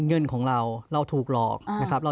เงินของเราเราถูกหลอกนะครับ